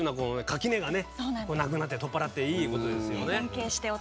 垣根がなくなって取っ払っていいことですよね。